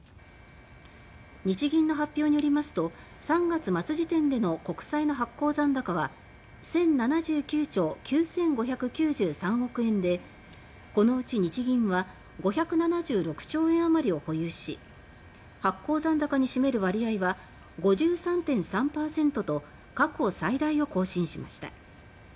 日銀の発表によりますと３月末時点での国債の発行残高は１０７９兆９５９３億円でこのうち日銀は５７６兆円余りを保有し発行残高に占める割合は５３．３％と過去最大を更新しました。